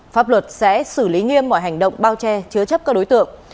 pháp luật sẽ xử lý nghiêm mọi hành động bao che chứa chấp các đối tượng